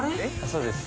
そうです。